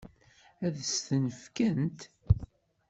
Ad s-tent-fkent?